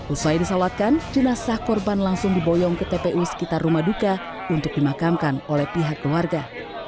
usai disalatkan jenazah korban langsung diboyong ke tpu sekitar rumah duka untuk dimakamkan oleh pihak keluarga